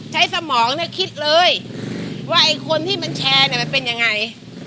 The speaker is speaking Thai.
ใช้สมองเนี่ยคิดเลยว่าไอ้คนที่มันแชร์มันเป็นอย่างไร